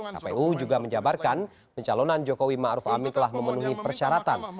kpu juga menjabarkan pencalonan jokowi ma'ruf amin telah memenuhi persyaratan